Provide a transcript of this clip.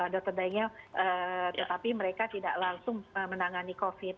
dr daengnya tetapi mereka tidak langsung menangani covid